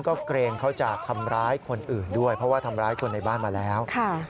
ก็เกรงเขาจะทำร้ายคนอื่นด้วยเพราะว่าทำร้ายคนในบ้านมาแล้ว